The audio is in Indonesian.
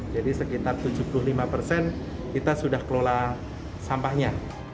jadi sekitar tujuh puluh lima persen kita sudah kelola sampahnya